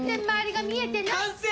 完成！